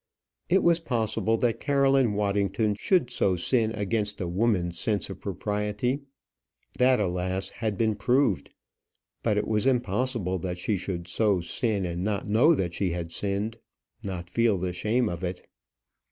It was possible that Caroline Waddington should so sin against a woman's sense of propriety; that, alas! had been proved; but it was impossible that she should so sin and not know that she had sinned, not feel the shame of it.